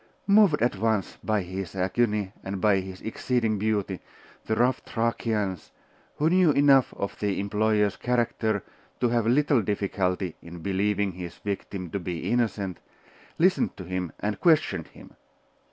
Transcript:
Moved at once by his agony and by his exceeding beauty, the rough Thracians, who knew enough of their employer's character to have little difficulty in believing his victim to be innocent, listened to him and questioned him.